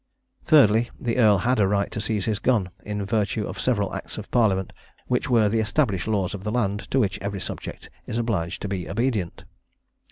"Thirdly The earl had a right to seize his gun, in virtue of several acts of parliament, which were the established laws of the land, to which every subject is obliged to be obedient."